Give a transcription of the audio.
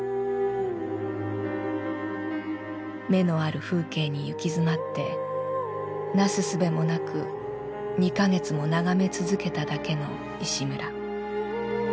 『眼のある風景』にゆきづまって為すすべもなく二か月も眺め続けただけの石村。